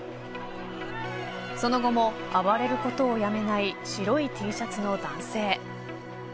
その後も、暴れることをやめない白いＴシャツの男性。